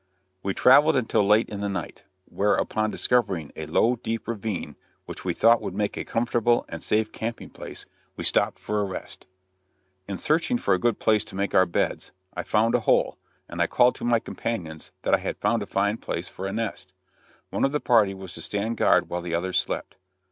We traveled until late in the night; when upon discovering a low, deep ravine which we thought would make a comfortable and safe camping place, we stopped for a rest. In searching for a good place to make our beds, I found a hole, and I called to my companions that I had found a fine place for a nest. One of the party was to stand guard while the others slept.